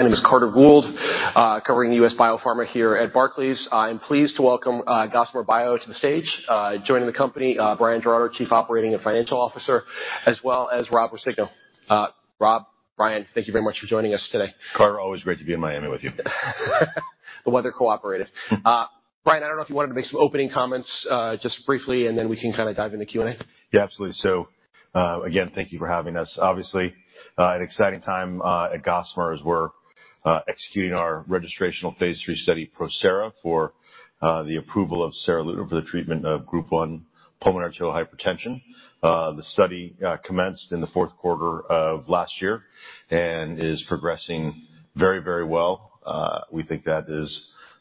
My name is Carter Gould, covering U.S. biopharma here at Barclays. I am pleased to welcome Gossamer Bio to the stage, joining the company, Bryan Giraudo, Chief Operating and Financial Officer, as well as Rob Roscigno. Rob, Bryan, thank you very much for joining us today. Carter, always great to be in Miami with you. The weather cooperated. Bryan, I don't know if you wanted to make some opening comments, just briefly, and then we can kind of dive into Q&A. Yeah, absolutely. So, again, thank you for having us. Obviously, an exciting time at Gossamer as we're executing our registrational Phase III study PROSERA for the approval of seralutinib for the treatment of Group I pulmonary arterial hypertension. The study commenced in the fourth quarter of last year and is progressing very, very well. We think that is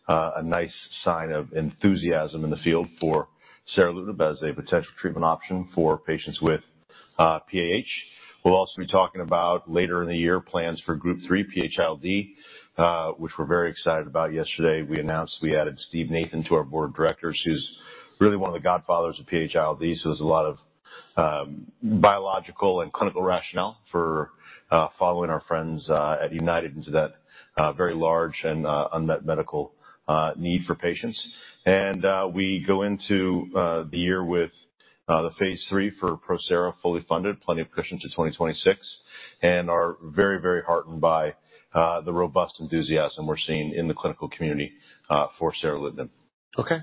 a nice sign of enthusiasm in the field for seralutinib as a potential treatment option for patients with PAH. We'll also be talking about later in the year plans for Group III PH-ILD, which we're very excited about. Yesterday, we announced we added Steve Nathan to our board of directors, who's really one of the godfathers of PH-ILD. So there's a lot of biological and clinical rationale for following our friends at United into that very large and unmet medical need for patients. We go into the year with the phase 3 PROSERA fully funded, plenty of cushion to 2026, and are very, very heartened by the robust enthusiasm we're seeing in the clinical community for seralutinib. Okay.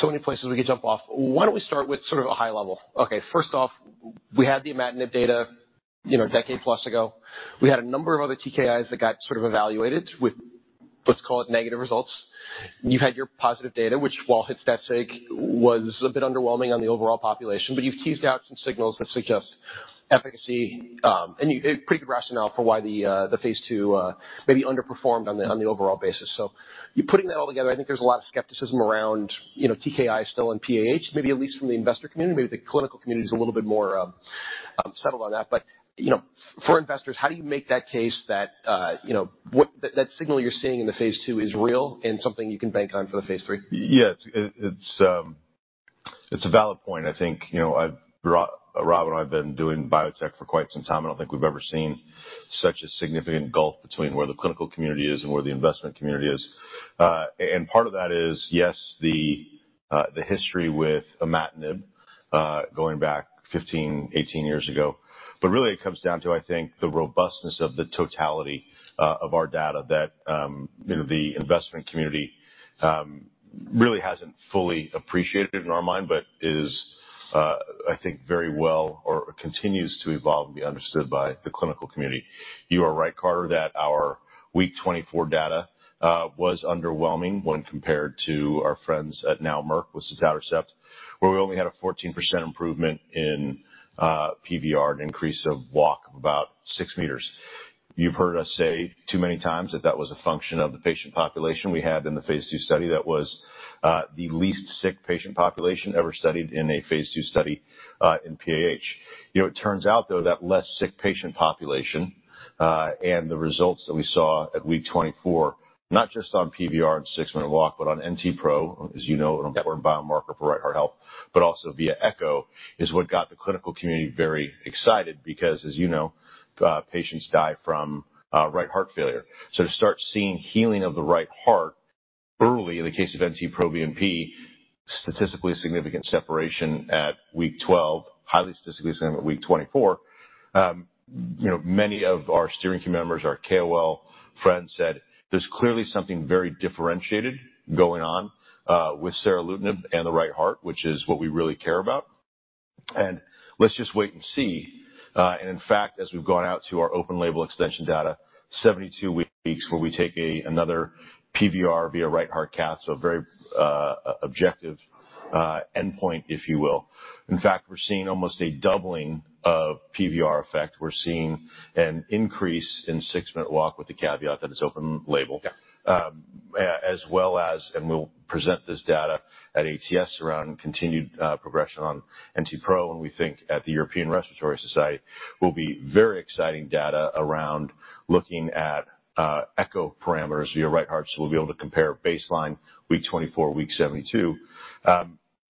So many places we could jump off. Why don't we start with sort of a high level? Okay, first off, we had the imatinib data, you know, a decade-plus ago. We had a number of other TKIs that got sort of evaluated with, let's call it, negative results. You've had your positive data, which, while it's stat sig, was a bit underwhelming on the overall population, but you've teased out some signals that suggest efficacy, and you have a pretty good rationale for why the, the phase II, maybe underperformed on the overall basis. So you're putting that all together. I think there's a lot of skepticism around, you know, TKIs still in PAH, maybe at least from the investor community. Maybe the clinical community's a little bit more, settled on that. But, you know, for investors, how do you make that case that, you know, what that signal you're seeing in the phase II is real and something you can bank on for the phase III? Yeah, it's a valid point. I think, you know, I've brought Rob and I have been doing biotech for quite some time. I don't think we've ever seen such a significant gulf between where the clinical community is and where the investment community is. And part of that is, yes, the history with imatinib, going back 15, 18 years ago. But really, it comes down to, I think, the robustness of the totality of our data that, you know, the investment community really hasn't fully appreciated in our mind but is, I think, very well or continues to evolve and be understood by the clinical community. You are right, Carter, that our Week 24 data was underwhelming when compared to our friends at now Merck with sotatercept, where we only had a 14% improvement in PVR, an increase of walk of about 6 meters. You've heard us say too many times that that was a function of the patient population we had in the phase II study that was, the least sick patient population ever studied in a phase II study, in PAH. You know, it turns out, though, that less sick patient population, and the results that we saw at Week 24, not just on PVR and 6-minute walk but on NT-pro, as you know, an important biomarker for right heart health, but also via echo, is what got the clinical community very excited because, as you know, patients die from, right heart failure. So to start seeing healing of the right heart early, in the case of NT-proBNP, statistically significant separation at Week 12, highly statistically significant at Week 24, you know, many of our steering team members, our KOL friends, said, "There's clearly something very differentiated going on, with seralutinib and the right heart, which is what we really care about. And let's just wait and see." And in fact, as we've gone out to our open-label extension data, 72 weeks where we take another PVR via right heart cath, so a very objective endpoint, if you will. In fact, we're seeing almost a doubling of PVR effect. We're seeing an increase in 6-minute walk with the caveat that it's open-label. Yeah. As well as, and we'll present this data at ATS around continued progression on NT-proBNP, and we think at the European Respiratory Society will be very exciting data around looking at echo parameters via right heart. So we'll be able to compare baseline, Week 24, Week 72.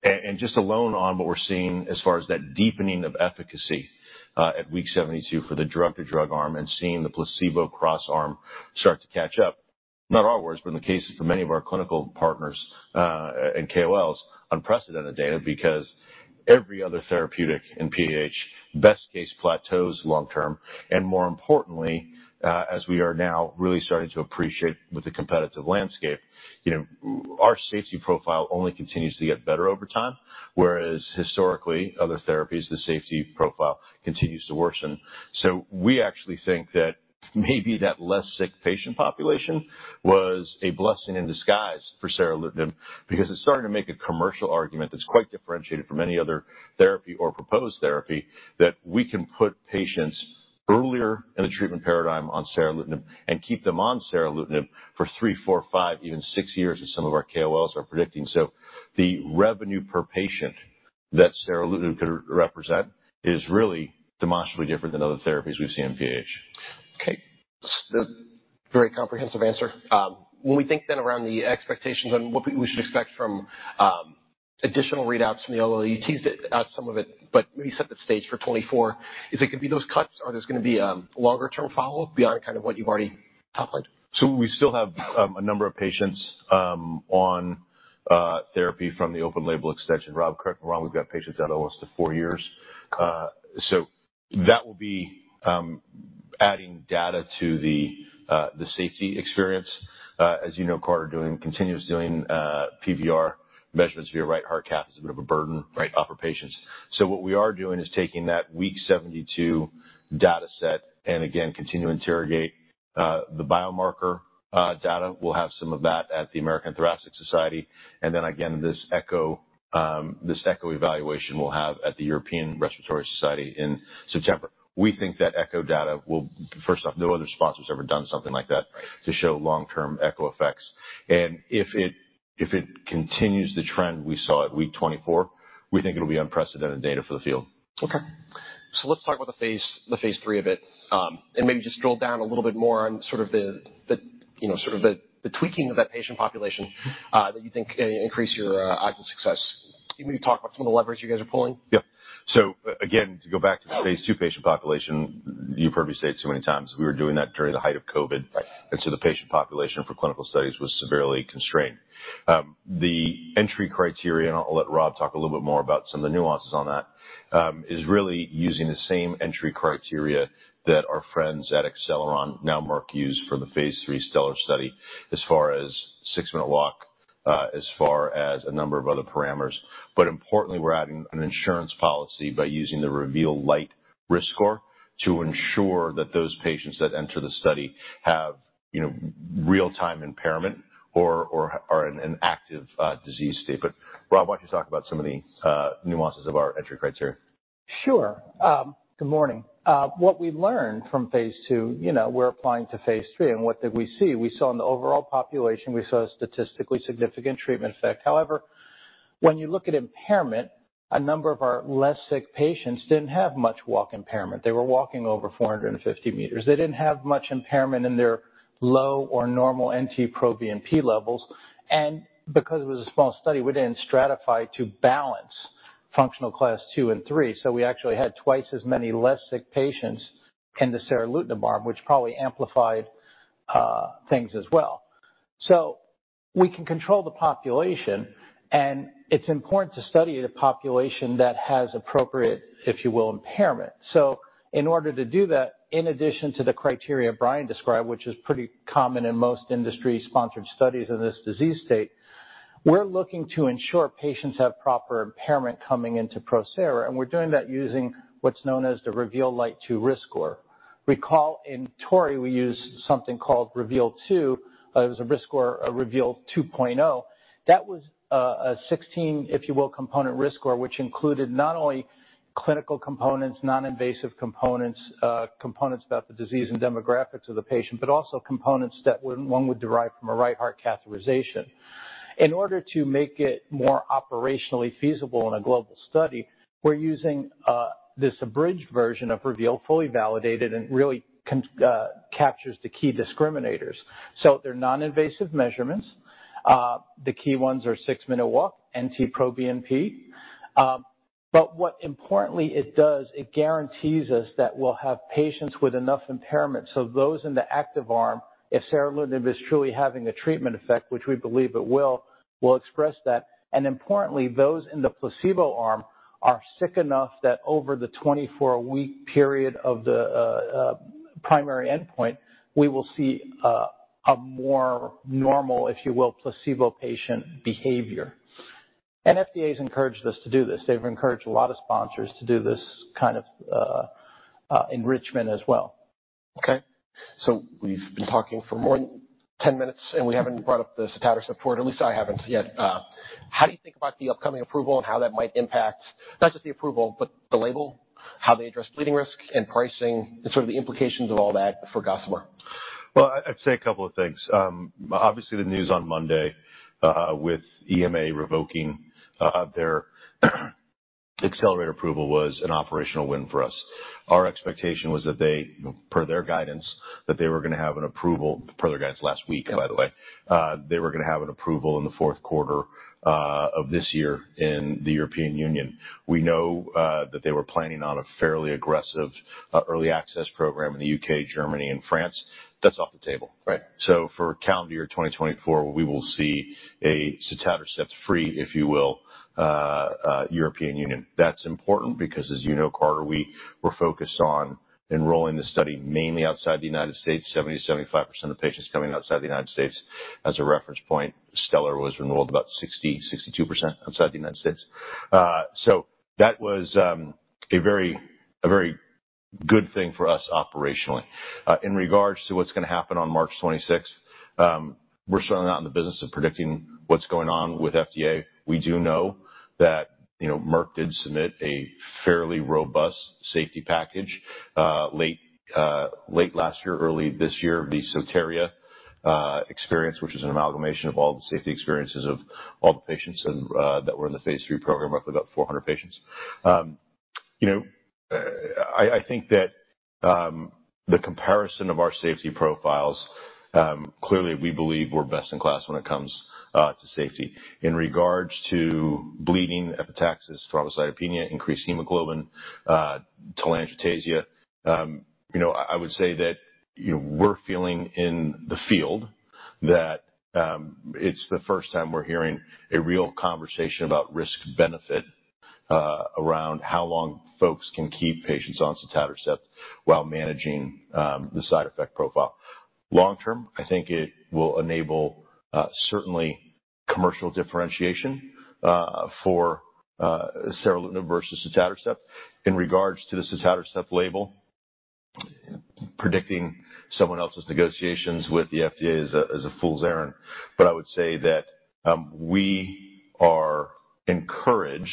And just alone on what we're seeing as far as that deepening of efficacy at Week 72 for the drug-to-drug arm and seeing the placebo cross-arm start to catch up, not our words, but in the case of many of our clinical partners and KOLs, unprecedented data because every other therapeutic in PAH best case plateaus long-term. And more importantly, as we are now really starting to appreciate with the competitive landscape, you know, we our safety profile only continues to get better over time, whereas historically, other therapies, the safety profile continues to worsen. So we actually think that maybe that less sick patient population was a blessing in disguise for seralutinib because it's starting to make a commercial argument that's quite differentiated from any other therapy or proposed therapy, that we can put patients earlier in the treatment paradigm on seralutinib and keep them on seralutinib for 3, 4, 5, even 6 years, as some of our KOLs are predicting. So the revenue per patient that seralutinib could represent is really demonstrably different than other therapies we've seen in PAH. Okay. So very comprehensive answer. When we think then around the expectations on what we should expect from additional readouts from the OLE, that some of it but maybe set the stage for 2024, is it gonna be those cuts, or there's gonna be longer-term follow-up beyond kind of what you've already top-lined? So we still have a number of patients on therapy from the open-label extension. Rob, correct me if I'm wrong, we've got patients out almost to 4 years. Okay. So that will be adding data to the safety experience. As you know, Carter, doing continuous PVR measurements via right heart cath is a bit of a burden. For patients. So what we are doing is taking that Week 72 dataset and, again, continue to interrogate the biomarker data. We'll have some of that at the American Thoracic Society. And then again, this echo evaluation we'll have at the European Respiratory Society in September. We think that echo data will first off, no other sponsor's ever done something like that. To show long-term echo effects. If it continues the trend we saw at Week 24, we think it'll be unprecedented data for the field. Okay. So let's talk about the phase III of it, and maybe just drill down a little bit more on sort of the you know sort of the tweaking of that patient population that you think an increase your actual success. Can you maybe talk about some of the levers you guys are pulling? Yeah. So again, to go back to the phase II patient population, that you've heard me say it too many times. We were doing that during the height of COVID. Right. So the patient population for clinical studies was severely constrained. The entry criteria and I'll let Rob talk a little bit more about some of the nuances on that is really using the same entry criteria that our friends at Acceleron, now Merck, use for the Phase III STELLAR study as far as 6-minute walk, as far as a number of other parameters. But importantly, we're adding an insurance policy by using the REVEAL Lite risk score to ensure that those patients that enter the study have, you know, real-time impairment or are in an active disease state. But Rob, why don't you talk about some of the nuances of our entry criteria? Sure. Good morning. What we learned from phase II, you know, we're applying to phase III. And what did we see? We saw in the overall population, we saw a statistically significant treatment effect. However, when you look at impairment, a number of our less sick patients didn't have much walk impairment. They were walking over 450 meters. They didn't have much impairment in their low or normal NT-proBNP levels. And because it was a small study, we didn't stratify to balance Functional Class II and III. So we actually had twice as many less sick patients in the seralutinib arm, which probably amplified things as well. So we can control the population, and it's important to study a population that has appropriate, if you will, impairment. So in order to do that, in addition to the criteria Bryan described, which is pretty common in most industry-sponsored studies in this disease state, we're looking to ensure patients have proper impairment coming into PROSERA. And we're doing that using what's known as the REVEAL Lite 2 risk score. Recall, in TORREY, we used something called REVEAL 2.0. It was a risk score, REVEAL 2.0. That was a 16-component risk score, if you will, which included not only clinical components, non-invasive components, components about the disease and demographics of the patient, but also components that one would derive from a right heart catheterization. In order to make it more operationally feasible in a global study, we're using this abridged version of REVEAL, fully validated, and really which captures the key discriminators. So they're non-invasive measurements. The key ones are 6-minute walk, NT-proBNP. But what importantly it does, it guarantees us that we'll have patients with enough impairment. So those in the active arm, if seralutinib is truly having a treatment effect, which we believe it will, we'll express that. And importantly, those in the placebo arm are sick enough that over the 24-week period of the primary endpoint, we will see a more normal, if you will, placebo patient behavior. And FDA's encouraged us to do this. They've encouraged a lot of sponsors to do this kind of enrichment as well. Okay. So we've been talking for more than 10 minutes, and we haven't brought up the sotatercept front. At least I haven't yet. How do you think about the upcoming approval and how that might impact not just the approval but the label, how they address bleeding risk, and pricing, and sort of the implications of all that for Gossamer? Well, I'd say a couple of things. Obviously, the news on Monday, with EMA revoking their accelerated approval was an operational win for us. Our expectation was that they, you know, per their guidance, that they were gonna have an approval per their guidance last week, by the way. Okay. They were gonna have an approval in the fourth quarter of this year in the European Union. We know that they were planning on a fairly aggressive early access program in the U.K., Germany, and France. That's off the table. Right. So for calendar year 2024, we will see a sotatercept-free, if you will, European Union. That's important because, as you know, Carter, we were focused on enrolling the study mainly outside the United States. 70%-75% of patients coming outside the United States as a reference point. STELLAR was enrolled about 60%-62% outside the United States. So that was a very good thing for us operationally. In regards to what's gonna happen on March 26th, we're certainly not in the business of predicting what's going on with FDA. We do know that, you know, Merck did submit a fairly robust safety package, late last year, early this year, the SOTERIA experience, which is an amalgamation of all the safety experiences of all the patients and that were in the phase III program, roughly about 400 patients. You know, I think that the comparison of our safety profiles clearly we believe we're best in class when it comes to safety. In regards to bleeding, epistaxis, thrombocytopenia, increased hemoglobin, telangiectasia, you know, I would say that you know we're feeling in the field that it's the first time we're hearing a real conversation about risk-benefit around how long folks can keep patients on sotatercept while managing the side effect profile. Long-term, I think it will enable certainly commercial differentiation for seralutinib versus sotatercept. In regards to the sotatercept label, predicting someone else's negotiations with the FDA is a fool's errand. But I would say that we are encouraged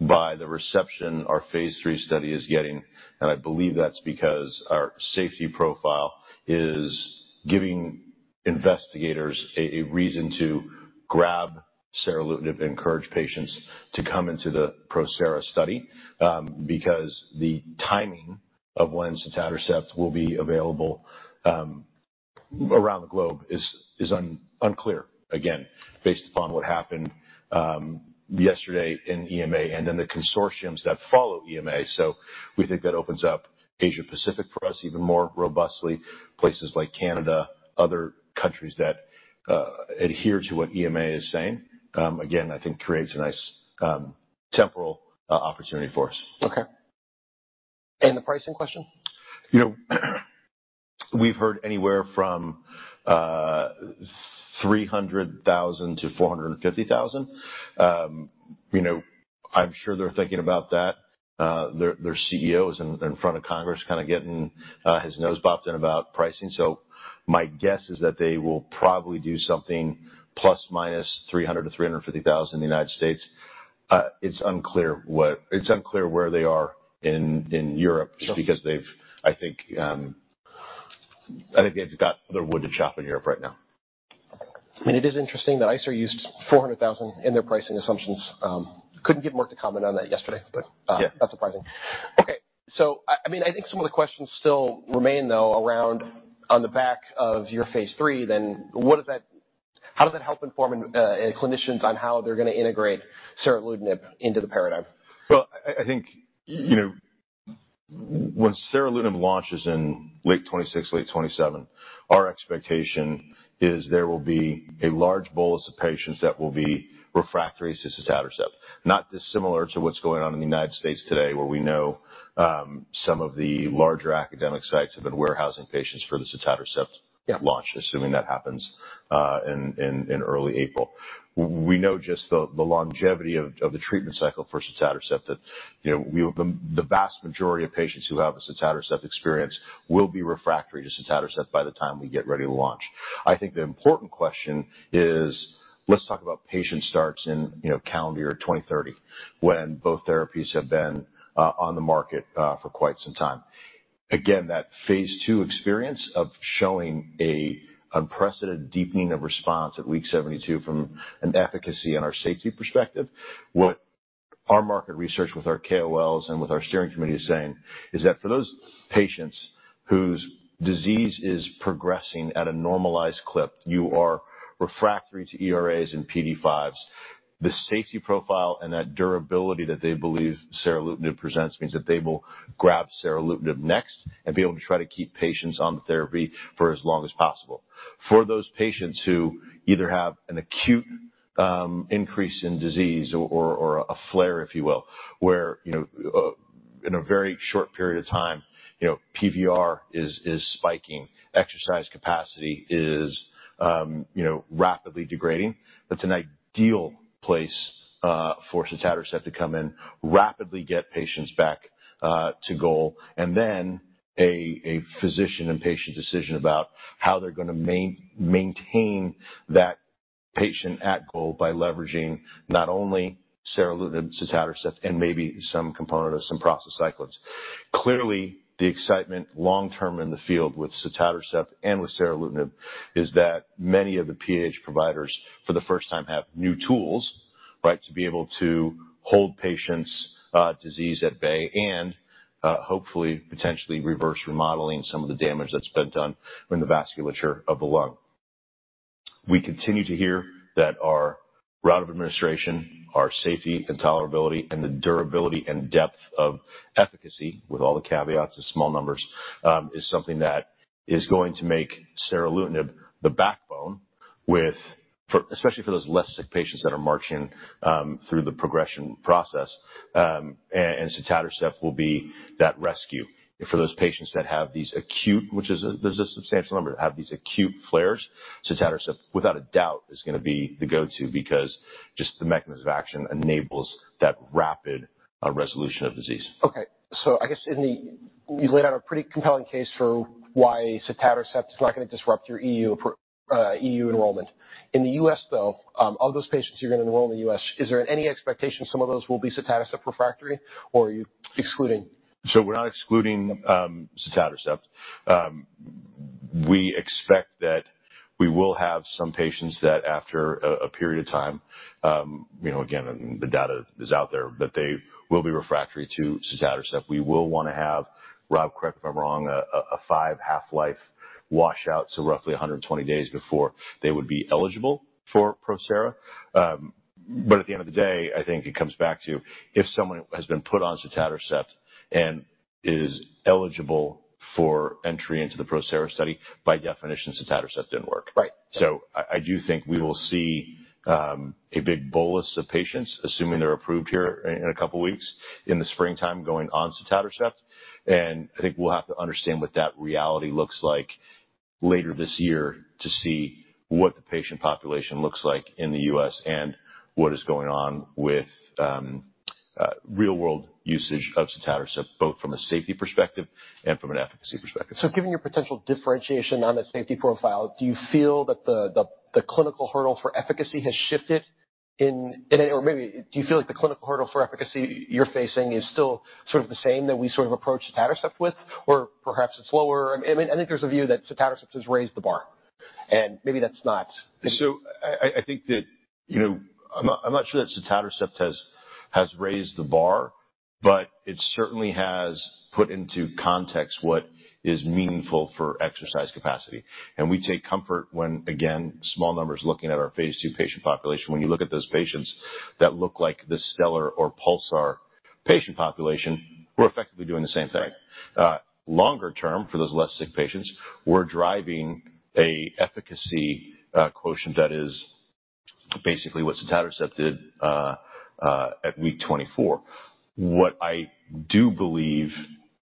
by the reception our phase III study is getting. And I believe that's because our safety profile is giving investigators a reason to grab seralutinib, encourage patients to come into the PROSERA Study, because the timing of when sotatercept will be available around the globe is unclear, again, based upon what happened yesterday in EMA and then the consortiums that follow EMA. So we think that opens up Asia-Pacific for us even more robustly, places like Canada, other countries that adhere to what EMA is saying. Again, I think creates a nice temporal opportunity for us. Okay. And the pricing question? You know, we've heard anywhere from $300,000-$450,000. You know, I'm sure they're thinking about that. Their CEO is in front of Congress kinda getting his nose bopped in about pricing. So my guess is that they will probably do something ±$300,000-$350,000 in the United States. It's unclear what. It's unclear where they are in Europe. Sure. Just because they've, I think, they've got other wood to chop in Europe right now. I mean, it is interesting that ICER used $400,000 in their pricing assumptions. Couldn't get Merck to comment on that yesterday, but, Yeah. Not surprising. Okay. So I mean, I think some of the questions still remain, though, around on the back of your phase 3, then, what does that how does that help inform clinicians on how they're gonna integrate seralutinib into the paradigm? Well, I think, you know, when seralutinib launches in late 2026, late 2027, our expectation is there will be a large bolus of patients that will be refractory to sotatercept, not dissimilar to what's going on in the United States today, where we know, some of the larger academic sites have been warehousing patients for the sotatercept. Yeah. Launch, assuming that happens, in early April. We know just the longevity of the treatment cycle for sotatercept that, you know, the vast majority of patients who have a sotatercept experience will be refractory to sotatercept by the time we get ready to launch. I think the important question is, let's talk about patient starts in, you know, calendar year 2030, when both therapies have been on the market for quite some time. Again, that phase II experience of showing an unprecedented deepening of response at Week 72 from an efficacy and our safety perspective, what our market research with our KOLs and with our steering committee is saying is that for those patients whose disease is progressing at a normalized clip, you are refractory to ERAs and PDE5s, the safety profile and that durability that they believe seralutinib presents means that they will grab seralutinib next and be able to try to keep patients on the therapy for as long as possible. For those patients who either have an acute increase in disease or a flare, if you will, where, you know, in a very short period of time, you know, PVR is spiking, exercise capacity is, you know, rapidly degrading, that's an ideal place for sotatercept to come in, rapidly get patients back to goal, and then a physician and patient decision about how they're gonna maintain that patient at goal by leveraging not only seralutinib, sotatercept, and maybe some component of some prostacyclins. Clearly, the excitement long-term in the field with sotatercept and with seralutinib is that many of the PAH providers, for the first time, have new tools, right, to be able to hold patients' disease at bay and, hopefully, potentially reverse remodeling some of the damage that's been done in the vasculature of the lung. We continue to hear that our route of administration, our safety and tolerability, and the durability and depth of efficacy, with all the caveats of small numbers, is something that is going to make seralutinib the backbone with for especially for those less sick patients that are marching through the progression process. And sotatercept will be that rescue. If for those patients that have these acute, which is a there's a substantial number, that have these acute flares, sotatercept, without a doubt, is gonna be the go-to because just the mechanism of action enables that rapid resolution of disease. Okay. So I guess as you laid out a pretty compelling case for why sotatercept is not gonna disrupt your EU enrollment. In the US, though, of those patients who are gonna enroll in the US, is there any expectation some of those will be sotatercept refractory, or are you excluding? So we're not excluding sotatercept. We expect that we will have some patients that after a period of time, you know, again, and the data is out there, that they will be refractory to sotatercept. We will wanna have, Rob, correct me if I'm wrong, a five half-life washout, so roughly 120 days before they would be eligible for PROSERA. But at the end of the day, I think it comes back to, if someone has been put on sotatercept and is eligible for entry into the PROSERA study, by definition, sotatercept didn't work. Right. I do think we will see a big bolus of patients, assuming they're approved here in a couple of weeks, in the springtime, going on sotatercept. I think we'll have to understand what that reality looks like later this year to see what the patient population looks like in the U.S. and what is going on with real-world usage of sotatercept, both from a safety perspective and from an efficacy perspective. So given your potential differentiation on the safety profile, do you feel that the clinical hurdle for efficacy has shifted in any or maybe do you feel like the clinical hurdle for efficacy you're facing is still sort of the same that we sort of approach sotatercept with, or perhaps it's lower? I mean, I think there's a view that sotatercept has raised the bar. And maybe that's not. So I think that, you know, I'm not sure that sotatercept has raised the bar, but it certainly has put into context what is meaningful for exercise capacity. And we take comfort when, again, small numbers looking at our phase II patient population. When you look at those patients that look like the STELLAR or PULSAR patient population, we're effectively doing the same thing. Right. Longer term, for those less sick patients, we're driving an efficacy quotient that is basically what sotatercept did at Week 24. What I do believe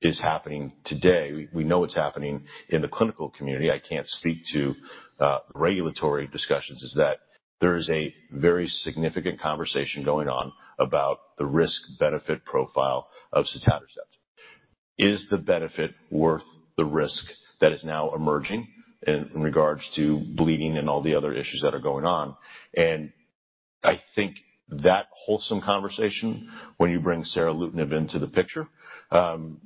is happening today we know it's happening in the clinical community. I can't speak to the regulatory discussions, is that there is a very significant conversation going on about the risk-benefit profile of sotatercept. Is the benefit worth the risk that is now emerging in regards to bleeding and all the other issues that are going on? And I think that whole conversation, when you bring seralutinib into the picture,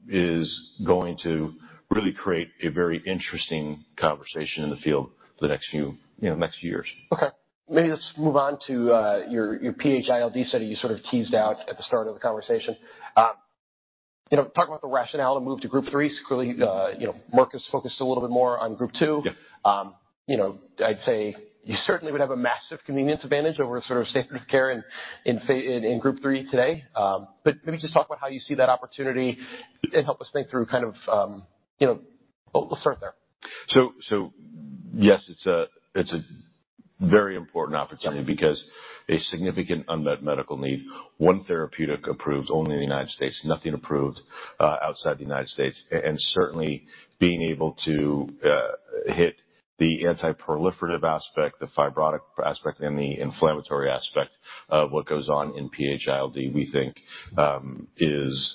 is going to really create a very interesting conversation in the field for the next few, you know, next few years. Okay. Maybe let's move on to your PH-ILD study you sort of teased out at the start of the conversation. You know, talk about the rationale to move to Group III. Clearly, you know, Merck has focused a little bit more on Group II. Yeah. You know, I'd say you certainly would have a massive convenience advantage over sort of standard of care in Group III today. But maybe just talk about how you see that opportunity and help us think through kind of, you know, well, let's start there. So yes, it's a very important opportunity. Yeah. Because of a significant unmet medical need, one therapeutic approved only in the United States, nothing approved outside the United States. And certainly being able to hit the antiproliferative aspect, the fibrotic aspect, and the inflammatory aspect of what goes on in PH-ILD, we think, is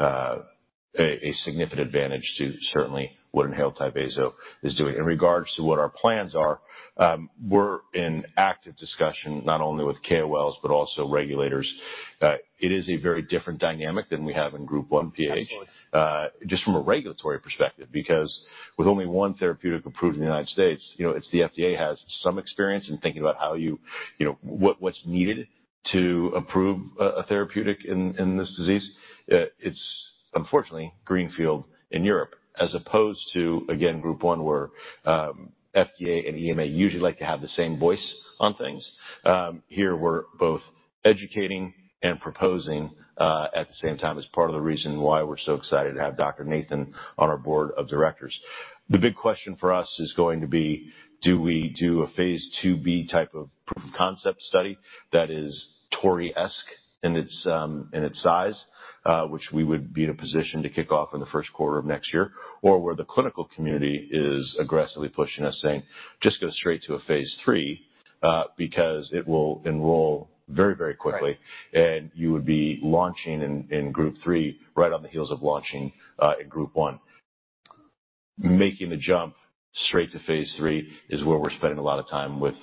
a significant advantage to certainly what inhaled Tyvaso is doing. In regards to what our plans are, we're in active discussion not only with KOLs but also regulators. It is a very different dynamic than we have in Group I PH. Absolutely. Just from a regulatory perspective, because with only one therapeutic approved in the United States, you know, it's the FDA has some experience in thinking about how you, you know, what, what's needed to approve a therapeutic in, in this disease. It's, unfortunately, greenfield in Europe, as opposed to, again, Group I, where FDA and EMA usually like to have the same voice on things. Here, we're both educating and proposing, at the same time, is part of the reason why we're so excited to have Dr. Nathan on our board of directors. The big question for us is going to be, do we do a phase IIB type of proof of concept study that is TORREY-esque in its size, which we would be in a position to kick off in the first quarter of next year, or where the clinical community is aggressively pushing us saying, "Just go straight to a phase III, because it will enroll very, very quickly. Right. You would be launching in Group III right on the heels of launching in Group I. Making the jump straight to phase III is where we're spending a lot of time with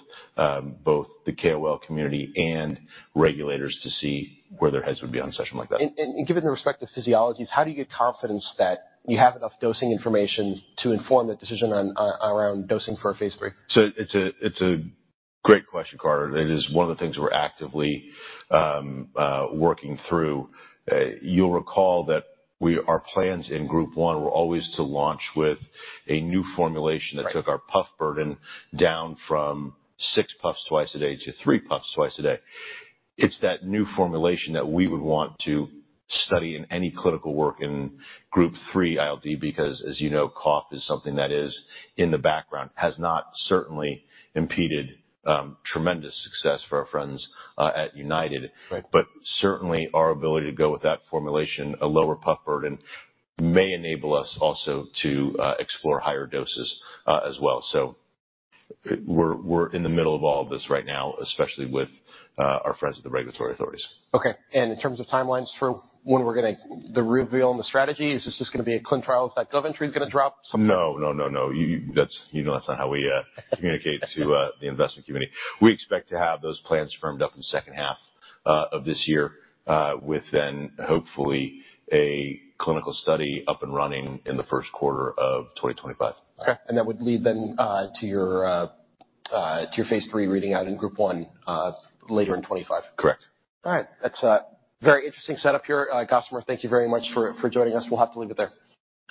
both the KOL community and regulators to see where their heads would be on a session like that. Given the respective physiologies, how do you get confidence that you have enough dosing information to inform the decision on around dosing for a phase III? So it's a great question, Carter. It is one of the things we're actively working through. You'll recall that our plans in Group I were always to launch with a new formulation that took our puff burden down from 6 puffs twice a day to 3 puffs twice a day. It's that new formulation that we would want to study in any clinical work in Group III ILD because, as you know, cough is something that is in the background, has not certainly impeded tremendous success for our friends at United. Right. But certainly, our ability to go with that formulation, a lower puff burden, may enable us also to explore higher doses, as well. So we're in the middle of all of this right now, especially with our friends at the regulatory authorities. Okay. In terms of timelines, for when we're gonna the reveal and the strategy, is this just gonna be a ClinicalTrials.gov entry that's gonna drop something? No, no, no, no. You, you know, that's not how we communicate to the investment community. We expect to have those plans firmed up in the second half of this year, with then, hopefully, a clinical study up and running in the first quarter of 2025. Okay. And that would lead then to your phase 3 reading out in Group I, later in 2025. Correct. All right. That's a very interesting setup here. Gossamer, thank you very much for joining us. We'll have to leave it there.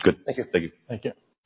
Good. Thank you. Thank you. Thank you.